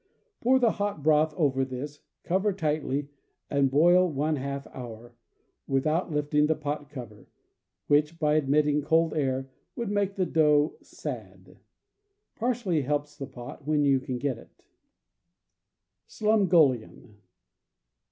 Pour the hot broth over this, cover tightly, and boil one half hour, without lifting the pot cover, which, by admitting cold air, would make the dough "sad." Parsley helps the pot, when you can get it. Slumgullion.